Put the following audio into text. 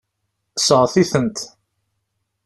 Seɣti-tent.